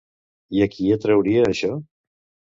I a qui atrauria això?